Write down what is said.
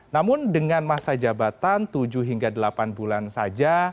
namun dengan masa jabatan tujuh hingga delapan bulan saja